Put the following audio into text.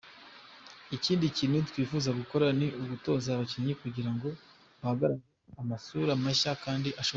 Ikindi kintu twifuza gukora ni ugutoza abakinnyi kugira ngo hagaragare amasura mashya kandi ashoboye.